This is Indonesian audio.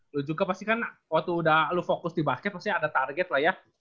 lu juga pasti kan waktu udah lu fokus di basket pasti ada target lah ya